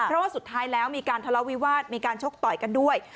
เพราะว่าสุดท้ายแล้วมีการทะเลาวิวาสมีการชกต่อยกันด้วย